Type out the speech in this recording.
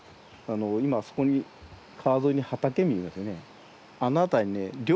今あそこに川沿いに畑見えますね。